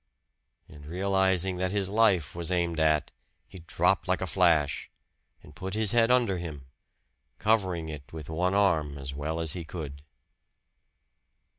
And realizing that his life was aimed at, he dropped like a flash, and put his head under him, covering it with one arm as well as he could.